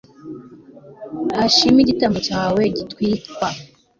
ashime igitambo cyawe gitwikwa